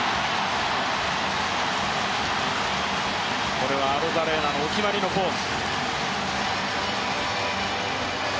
これはアロザレーナのお決まりのポーズ。